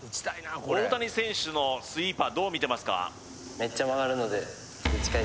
大谷選手のスイーパーどう見てますか？